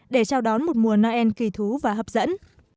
để chào đón một mùa noel kỳ thú và hấp dẫn